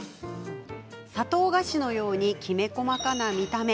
砂糖菓子のようにきめ細かな見た目。